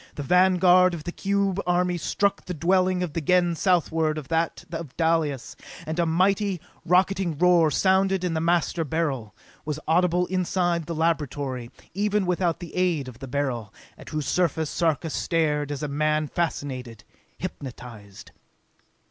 The vanguard of the cube army struck the dwelling of the Gens southward of that of Dalis, and a mighty, rocketing roar sounded in the Master Beryl, was audible inside the laboratory, even without the aid of the Beryl, at whose surface Sarka stared as a man fascinated, hypnotized.